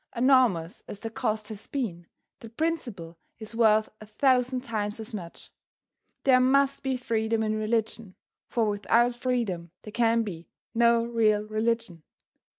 Enormous as the cost has been the principle is worth a thousand times as much. There must be freedom in religion, for without freedom there can be no real religion.